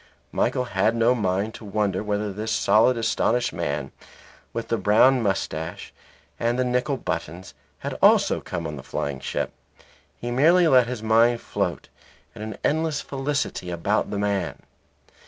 Michael had no mind to wonder whether this solid astonished man, with the brown moustache and the nickel buttons, had also come on a flying ship. He merely let his mind float in an endless felicity about the man.